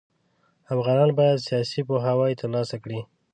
افغانان بايد سياسي پوهاوی ترلاسه کړي.